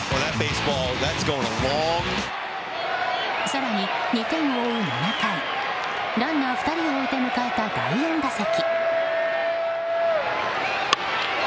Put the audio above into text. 更に２点を追う７回ランナー２人を置いて迎えた第４打席。